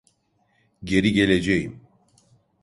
Geri geleceğim.